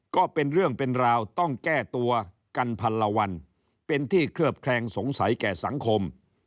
ก็เป็นเรื่องเป็นราวต้องแก้ตัวกันพันละวันเป็นที่เคลือบแคลงสงสัยแก่สังคม